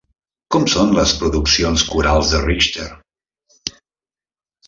Com són les produccions corals de Richter?